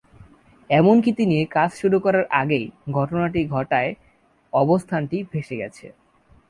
এমনকি তিনি কাজ শুরু করার আগেই, ঘটনাটি ঘটায় অবস্থানটি ভেসে গেছে।